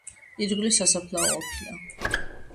ირგვლივ სასაფლაო ყოფილა.